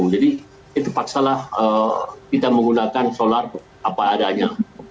itu paksalah kita menggunakan solar apa adanya